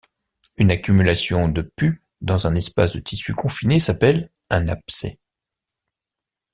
Une accumulation de pus dans un espace de tissu confiné s'appelle un abcès.